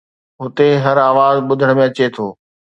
هتي هر آواز ٻڌڻ ۾ اچي ٿو